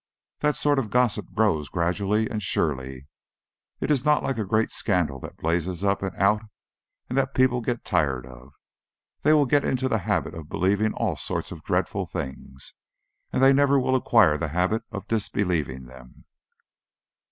That sort of gossip grows gradually and surely; it is not like a great scandal that blazes up and out and that people get tired of; they will get into the habit of believing all sorts of dreadful things, and they never will acquire the habit of disbelieving them."